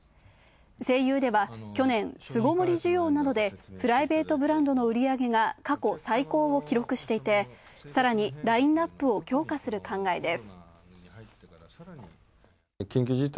西友では去年、巣ごもり需要などでプライベートブランドの売り上げが過去最高を記録していて、さらにラインナップを強化する考えです。